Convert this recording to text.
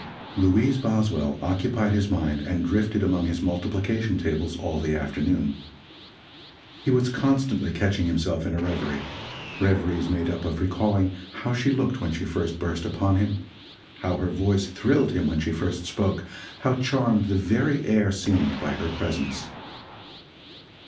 Louise Boswell occupied his mind and drifted among his multiplication tables all the afternoon. He was constantly catching himself in a reverie reveries made up of recalling how she looked when she first burst upon him; how her voice thrilled him when she first spoke; how charmed the very air seemed by her presence.